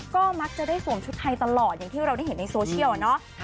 ก็มักจะได้สวมชุดไทยตลอดอย่างที่เราได้เห็นในโซเชียลเนาะ